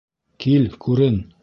Кил, күрен!